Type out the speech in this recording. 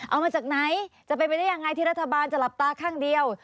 เอามาจากไหนจะเป็นไปได้ยังไงที่รัฐบาลจะหลับตาข้างเดียว